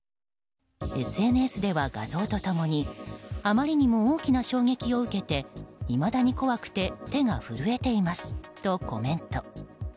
ＳＮＳでは画像と共にあまりにも大きな衝撃を受けていまだに怖くて手が震えていますとコメント。